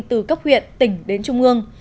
từ cấp huyện tỉnh đến trung ương